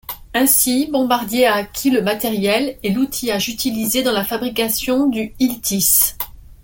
Ainsi, Bombardier a acquis le matériel et l'outillage utilisé dans la fabrication du Iltis.